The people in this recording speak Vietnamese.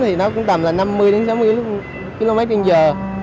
thì nó cũng tầm là năm mươi đến sáu mươi km trên giờ